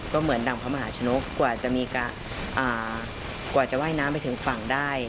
ก็เหมือนดังพระมหาชนกกว่าจะว่ายน้ำไปถึงฝั่งได้